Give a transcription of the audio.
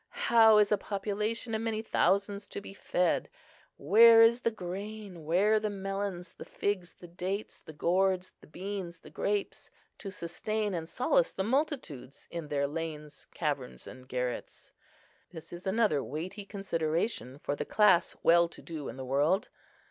How is a population of many thousands to be fed? where is the grain, where the melons, the figs, the dates, the gourds, the beans, the grapes, to sustain and solace the multitudes in their lanes, caverns, and garrets? This is another weighty consideration for the class well to do in the world.